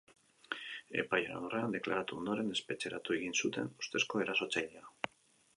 Epailearen aurrean deklaratu ondoren, espetxeratu egin zuten ustezko erasotzailea.